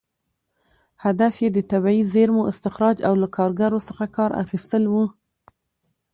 هدف یې د طبیعي زېرمو استخراج او له کارګرو څخه کار اخیستل و.